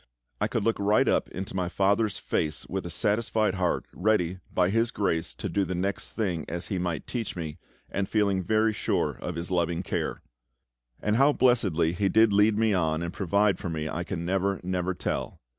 I could look right up into my FATHER'S face with a satisfied heart, ready, by His grace, to do the next thing as He might teach me, and feeling very sure of His loving care. And how blessedly He did lead me on and provide for me I can never, never tell.